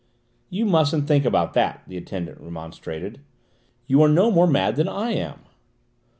"You mustn't think about that," the attendant remonstrated. "You are no more mad than I am."